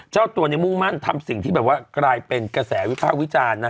เจ้าตัวมุ่งมั่นทำสิ่งที่แบบว่ากลายเป็นกระแสวิภาควิจารณ์นะฮะ